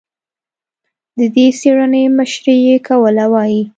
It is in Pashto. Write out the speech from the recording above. د دې څېړنې مشري یې کوله، وايي